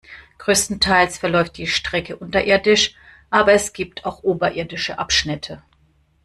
Größtenteils verläuft die Strecke unterirdisch, aber es gibt auch oberirdische Abschnitte.